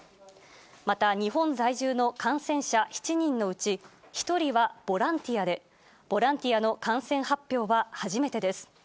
また、日本在住の感染者７人のうち、１人はボランティアで、ボランティアの感染発表は初めてです。